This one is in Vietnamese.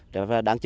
đó là đáng chờ